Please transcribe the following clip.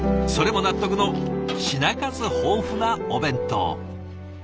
それも納得の品数豊富なお弁当。